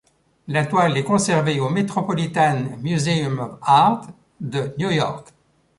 La toile est conservée au Metropolitan Museum of Art de New York.